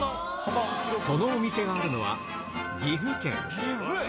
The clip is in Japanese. そのお店があるのは、岐阜県。